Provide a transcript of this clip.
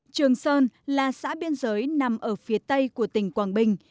trường sơn là xã biên giới nằm ở phía tây của tỉnh quảng bình